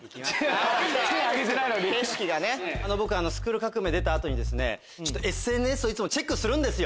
僕『スクール革命！』出た後にＳＮＳをチェックするんですよ。